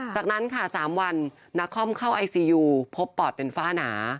จากนั้นค่ะ๓วันนักคอมเข้าไอซียูพบปอดเป็นฝ้าหนา